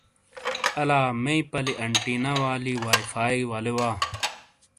آلا مئی پلی انٹینا والی وائی فائی ولے وا ۔